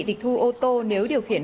địch thu ô tô nếu điều khiển